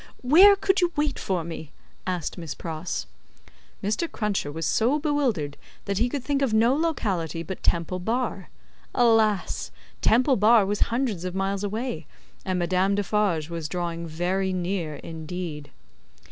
"Where could you wait for me?" asked Miss Pross. Mr. Cruncher was so bewildered that he could think of no locality but Temple Bar. Alas! Temple Bar was hundreds of miles away, and Madame Defarge was drawing very near indeed.